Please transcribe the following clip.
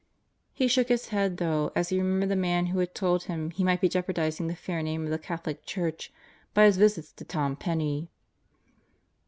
He shook his head though as he remembered the man who had told him he might be jeopardizing the fair name of the Catholic Church by his visits to Tom Penney.